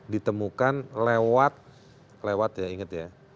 ditemukan lewat ya inget ya